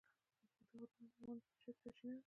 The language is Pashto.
اوږده غرونه د افغانانو د معیشت سرچینه ده.